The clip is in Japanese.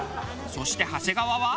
そして長谷川は。